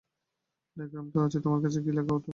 Diagram তো আছেই তোমার কাছে, কী লেখা ওতে?